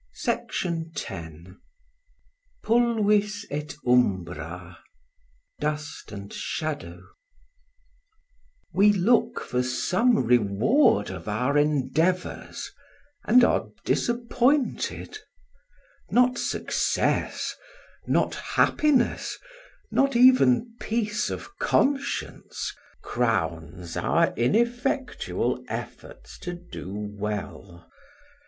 Biog_.] IX PULVIS ET UMBRA We look for some reward of our endeavors and are disappointed; not success, not happiness, not even peace of conscience, crowns our ineffectual efforts to do well.